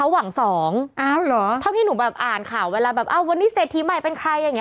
อาณาวันหนึ่งเราอาจจะได้โอกาสนานข่าวเวลาแบบวันนี้เสร็จทีใหม่เป็นใครอย่างนี้